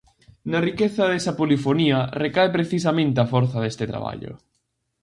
Na riqueza desa polifonía recae precisamente a forza deste traballo.